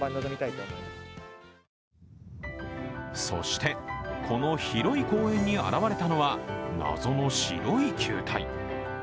そして、この広い公園に現れたのは謎の白い球体。